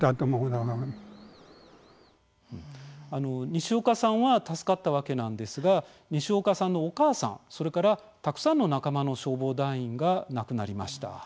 西岡さんは助かったわけなんですが西岡さんのお母さんそれから、たくさんの仲間の消防団員が亡くなりました。